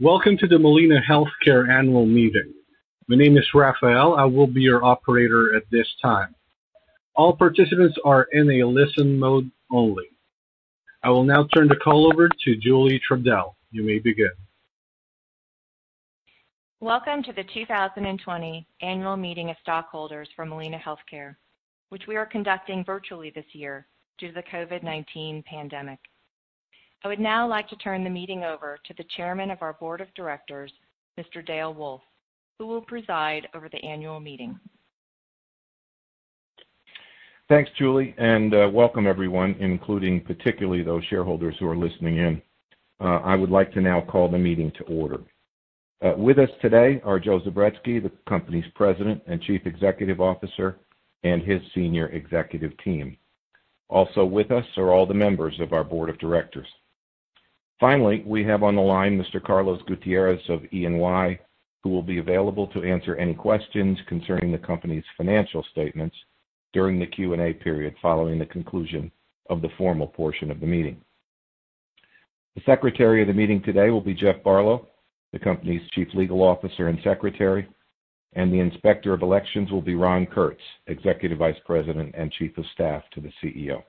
Welcome to the Molina Healthcare annual meeting. My name is Raphael. I will be your operator at this time. All participants are in a listen mode only. I will now turn the call over to Julie Trudell. You may begin. Welcome to the 2020 annual meeting of stockholders for Molina Healthcare, which we are conducting virtually this year due to the COVID-19 pandemic. I would now like to turn the meeting over to the chairman of our board of directors, Mr. Dale Wolf, who will preside over the annual meeting. Thanks, Julie, and welcome everyone, including particularly those shareholders who are listening in. I would like to now call the meeting to order. With us today are Joe Zubretsky, the company's President and Chief Executive Officer, and his senior executive team. Also with us are all the members of our board of directors. Finally, we have on the line Mr. Carlos Gutierrez of EY, who will be available to answer any questions concerning the company's financial statements during the Q&A period following the conclusion of the formal portion of the meeting. The secretary of the meeting today will be Jeff Barlow, the company's Chief Legal Officer and Secretary, and the inspector of elections will be Ron Kurtz, Executive Vice President and Chief of Staff to the CEO.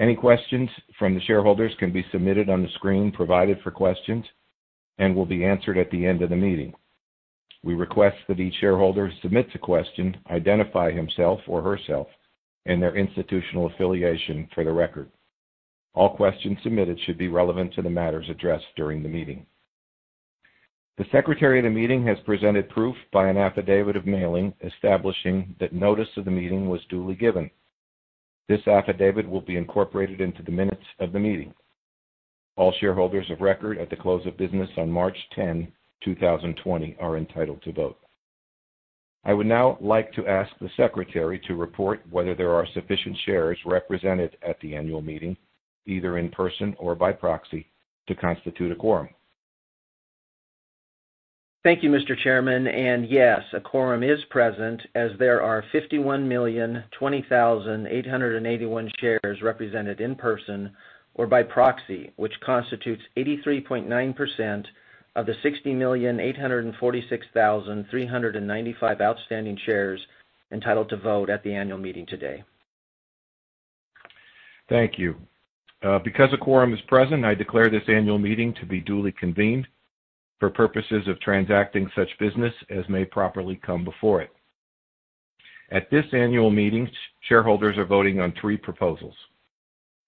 Any questions from the shareholders can be submitted on the screen provided for questions and will be answered at the end of the meeting. We request that each shareholder submit a question, identify himself or herself, and their institutional affiliation for the record. All questions submitted should be relevant to the matters addressed during the meeting. The secretary of the meeting has presented proof by an affidavit of mailing establishing that notice of the meeting was duly given. This affidavit will be incorporated into the minutes of the meeting. All shareholders of record at the close of business on March 10, 2020, are entitled to vote. I would now like to ask the secretary to report whether there are sufficient shares represented at the annual meeting, either in person or by proxy, to constitute a quorum. Thank you, Mr. Chairman. Yes, a quorum is present as there are 51,020,881 shares represented in person or by proxy, which constitutes 83.9% of the 60,846,395 outstanding shares entitled to vote at the annual meeting today. Thank you. Because a quorum is present, I declare this annual meeting to be duly convened for purposes of transacting such business as may properly come before it. At this annual meeting, shareholders are voting on three proposals.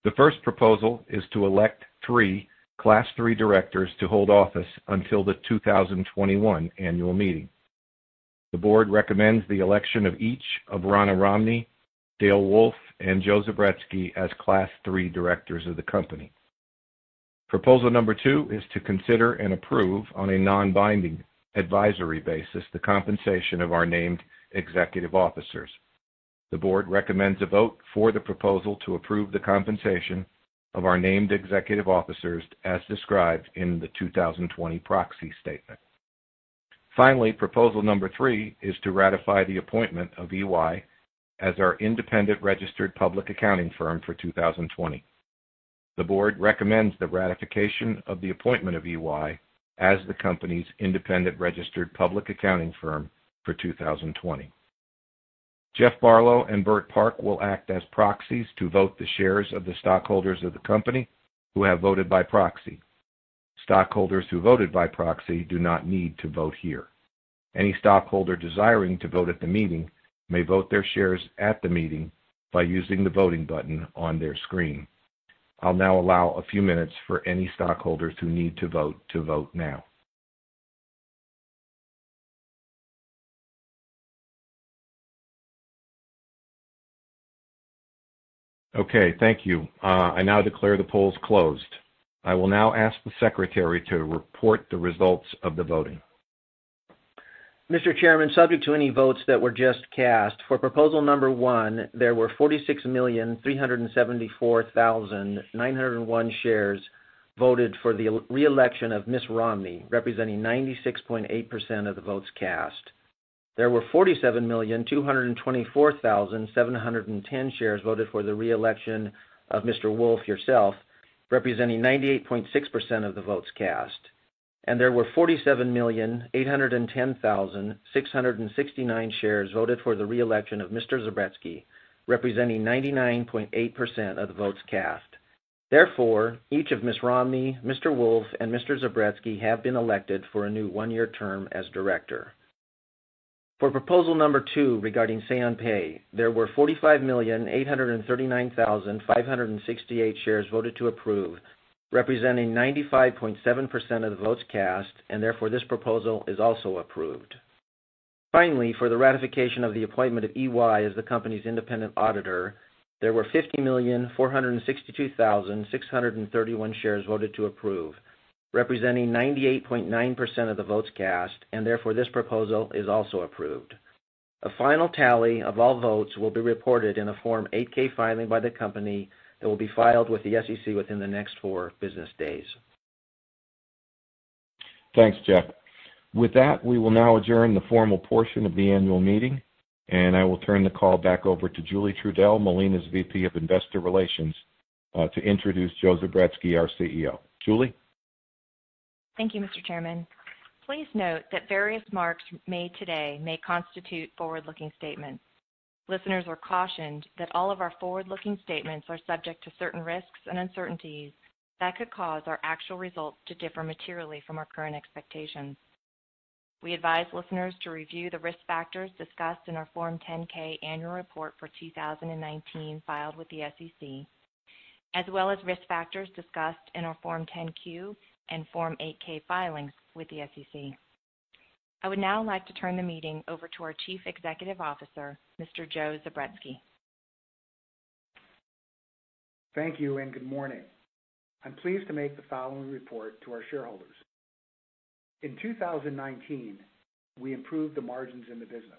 The first proposal is to elect three Class III directors to hold office until the 2021 annual meeting. The board recommends the election of each of Ronna Romney, Dale Wolf, and Joe Zubretsky as Class III directors of the company. Proposal number two is to consider and approve on a non-binding advisory basis the compensation of our named executive officers. The board recommends a vote for the proposal to approve the compensation of our named executive officers as described in the 2020 proxy statement. Finally, proposal number three is to ratify the appointment of EY as our independent registered public accounting firm for 2020. The board recommends the ratification of the appointment of EY as the company's independent registered public accounting firm for 2020. Jeff Barlow and Bert Park will act as proxies to vote the shares of the stockholders of the company who have voted by proxy. Stockholders who voted by proxy do not need to vote here. Any stockholder desiring to vote at the meeting may vote their shares at the meeting by using the voting button on their screen. I'll now allow a few minutes for any stockholders who need to vote to vote now. Okay, thank you. I now declare the polls closed. I will now ask the secretary to report the results of the voting. Mr. Chairman, subject to any votes that were just cast, for proposal number one, there were 46,374,901 shares voted for the re-election of Ms. Romney, representing 96.8% of the votes cast. There were 47,224,710 shares voted for the re-election of Mr. Wolf, yourself, representing 98.6% of the votes cast. There were 47,810,669 shares voted for the re-election of Mr. Zubretsky, representing 99.8% of the votes cast. Therefore, each of Ms. Romney, Mr. Wolf, and Mr. Zubretsky have been elected for a new one-year term as director. For proposal number two regarding say on pay, there were 45,839,568 shares voted to approve, representing 95.7% of the votes cast, and therefore this proposal is also approved. Finally, for the ratification of the appointment of EY as the company's independent auditor, there were 50,462,631 shares voted to approve, representing 98.9% of the votes cast, and therefore this proposal is also approved. A final tally of all votes will be reported in a Form 8-K filing by the company that will be filed with the SEC within the next four business days. Thanks, Jeff. With that, we will now adjourn the formal portion of the annual meeting, and I will turn the call back over to Julie Trudell, Molina's VP of Investor Relations, to introduce Joseph Zubretsky, our CEO. Julie? Thank you, Mr. Chairman. Please note that various remarks made today may constitute forward-looking statements. Listeners are cautioned that all of our forward-looking statements are subject to certain risks and uncertainties that could cause our actual results to differ materially from our current expectations. We advise listeners to review the risk factors discussed in our Form 10-K annual report for 2019 filed with the SEC, as well as risk factors discussed in our Form 10-Q and Form 8-K filings with the SEC. I would now like to turn the meeting over to our Chief Executive Officer, Mr. Joseph Zubretsky. Thank you, and good morning. I'm pleased to make the following report to our shareholders. In 2019, we improved the margins in the business.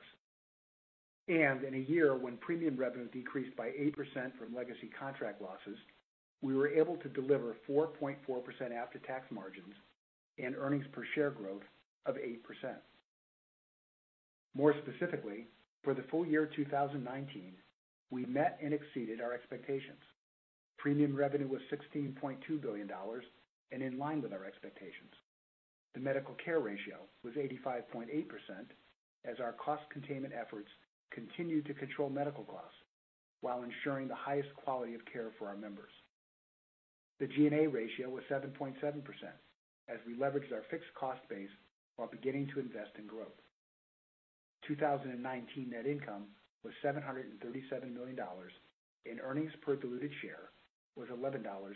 In a year when premium revenue decreased by 8% from legacy contract losses, we were able to deliver 4.4% after-tax margins and earnings per share growth of 8%. More specifically, for the full year 2019, we met and exceeded our expectations. Premium revenue was $16.2 billion and in line with our expectations. The medical care ratio was 85.8% as our cost containment efforts continued to control medical costs while ensuring the highest quality of care for our members. The G&A ratio was 7.7% as we leveraged our fixed cost base while beginning to invest in growth. 2019 net income was $737 million, and earnings per diluted share was $11.47.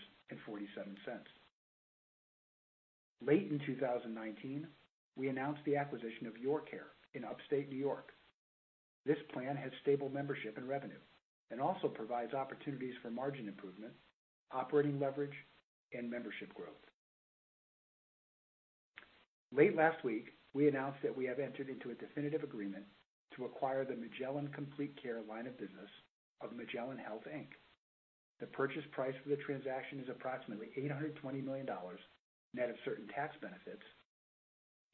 Late in 2019, we announced the acquisition of YourCare in upstate New York. This plan has stable membership and revenue and also provides opportunities for margin improvement, operating leverage, and membership growth. Late last week, we announced that we have entered into a definitive agreement to acquire the Magellan Complete Care line of business of Magellan Health, Inc. The purchase price for the transaction is approximately $820 million, net of certain tax benefits,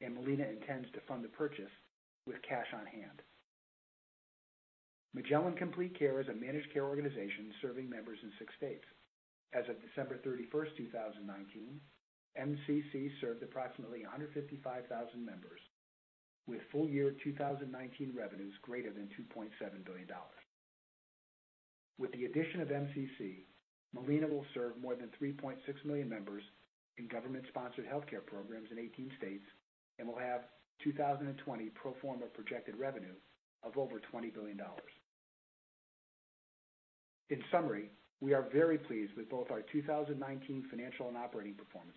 and Molina intends to fund the purchase with cash on hand. Magellan Complete Care is a managed care organization serving members in 6 states. As of December 31st, 2019, MCC served approximately 155,000 members with full-year 2019 revenues greater than $2.7 billion. With the addition of MCC, Molina will serve more than 3.6 million members in government-sponsored healthcare programs in 18 states and will have 2020 pro forma projected revenue of over $20 billion. In summary, we are very pleased with both our 2019 financial and operating performance.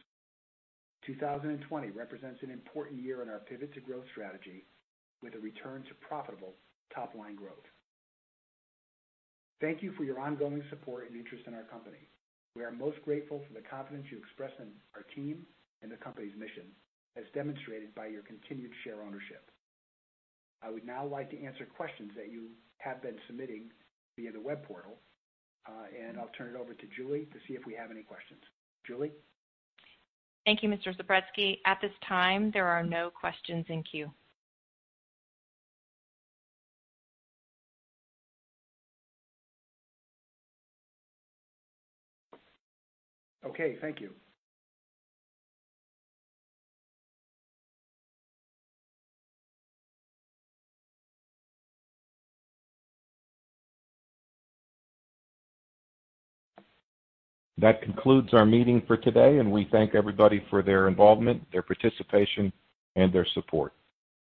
2020 represents an important year in our pivot to growth strategy with a return to profitable top-line growth. Thank you for your ongoing support and interest in our company. We are most grateful for the confidence you express in our team and the company's mission, as demonstrated by your continued share ownership. I would now like to answer questions that you have been submitting via the web portal, and I'll turn it over to Julie to see if we have any questions. Julie? Thank you, Mr. Zubretsky. At this time, there are no questions in queue. Okay. Thank you. That concludes our meeting for today, and we thank everybody for their involvement, their participation, and their support.